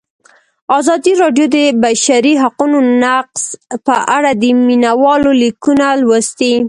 ازادي راډیو د د بشري حقونو نقض په اړه د مینه والو لیکونه لوستي.